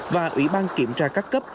và ủy ban kiểm tra các cấp